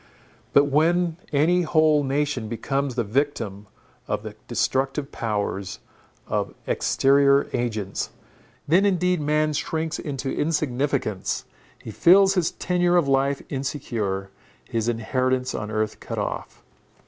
But when any whole nation becomes the victim of the destructive powers of exterior agents, then indeed man shrinks into insignificance, he feels his tenure of life insecure, his inheritance on earth cut off.